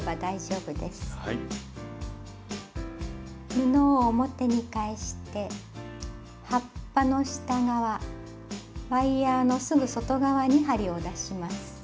布を表に返して葉っぱの下側ワイヤーのすぐ外側に針を出します。